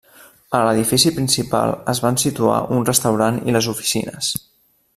A l'edifici principal es van situar un restaurant i les oficines.